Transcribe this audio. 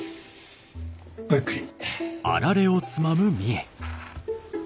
ごゆっくり。